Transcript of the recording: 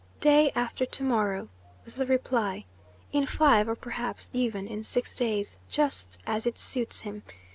"Day after to morrow," was the reply, "in five, or perhaps even in six days, just as it suits him.